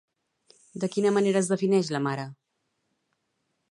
De quina manera es defineix la mare?